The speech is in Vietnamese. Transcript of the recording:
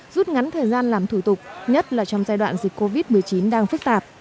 rút ngắn thời gian làm thủ tục nhất là trong giai đoạn dịch covid một mươi chín đang phức tạp